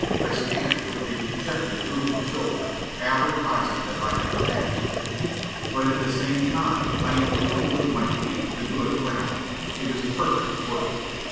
I stand with a dejected droop of shoulder, advertising that I have abandoned hope. But at the same time I am feeling with my feet the good gravel. It is perfect footing.